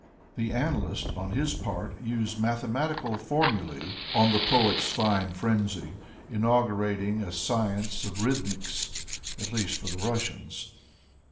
The analyst, on his part, used mathematic formulae on the poet's fine frenzy, inaugurating a science of rhythmics, at least for the Russians.